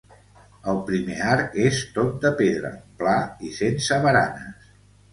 El primer arc és tot de pedra, pla i sense baranes.